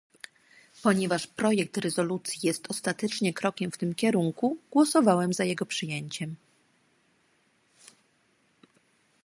Ponieważ projekt rezolucji jest ostatecznie krokiem w tym kierunku, głosowałem za jego przyjęciem